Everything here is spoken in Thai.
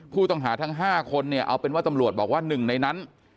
ผู้ต้องหาทั้ง๕คนเนี่ยเอาเป็นว่าตำรวจบอกว่าหนึ่งในนั้น